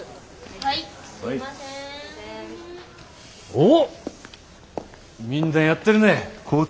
おっみんなやってるね。